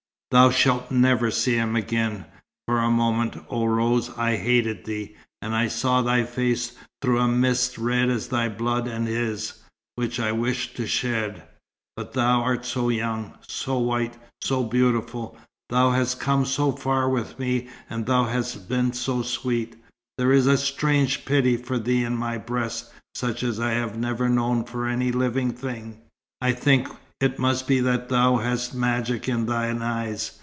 "Thou shalt never see him again. For a moment, oh Rose, I hated thee, and I saw thy face through a mist red as thy blood and his, which I wished to shed. But thou art so young so white so beautiful. Thou hast come so far with me, and thou hast been so sweet. There is a strange pity for thee in my breast, such as I have never known for any living thing. I think it must be that thou hast magic in thine eyes.